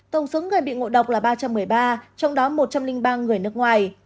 tổng số người bị ngộ độc là ba trăm một mươi ba trong đó một trăm linh ba người nước ngoài